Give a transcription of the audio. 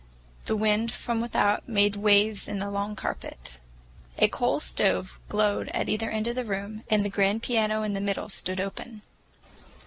The wind from without made waves in the long carpet. A coal stove glowed at either end of the room, and the grand piano in the middle stood open.